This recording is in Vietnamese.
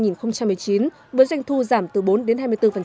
với doanh thu giảm từ bốn đến hai mươi bốn